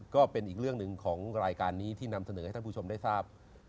ก็เป็นอีกเรื่องหนึ่งของรายการนี้ที่นำเสนอให้ท่านผู้ชมได้ทราบ